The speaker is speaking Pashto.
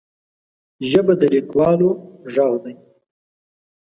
ژبه د لیکوالو غږ دی